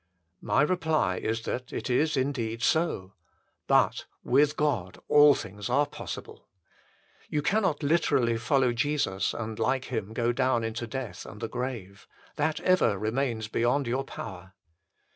My reply is that it is indeed so. But " with God all things are possible." You cannot literally follow Jesus, and like Him go down into death and the grave. That ever remains beyond your power.